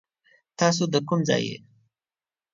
تاسو دا کوم ځای يي ؟